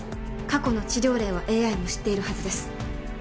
過去の治療例はＡＩも知っているはずです。